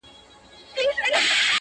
تسلیم کړي یې خانان او جنرالان وه!